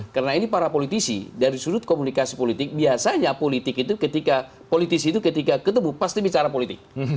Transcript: karena ini para politisi dari sudut komunikasi politik biasanya politik itu ketika ketemu pasti bicara politik